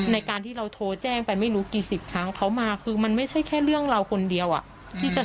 ในการที่เราโทรแจ้งไปไม่รู้กี่สิบครั้งเขามาคือมันไม่ใช่แค่เรื่องเราคนเดียวอ่ะที่จะ